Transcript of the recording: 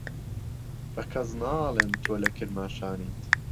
بە کەس ناڵێم تۆ لە کرماشانیت.